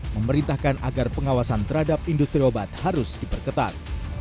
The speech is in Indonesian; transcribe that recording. memerintahkan agar pengawasan terhadap industri obat harus diperketat